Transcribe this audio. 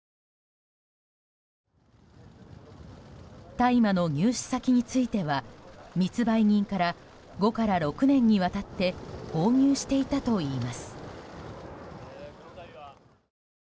大麻の入手先については密売人から５から６年にわたって購入していたといいます。